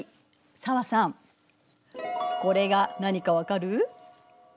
紗和さんこれが何か分かる？